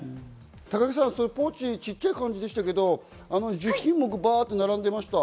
高木さん、ポーチちっちゃい感じでしたけど、１０品目並んでいました。